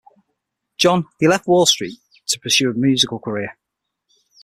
John he left Wall Street to pursue a musical career.